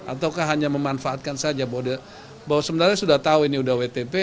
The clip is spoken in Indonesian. ataukah hanya memanfaatkan saja bahwa sebenarnya sudah tahu ini sudah wtp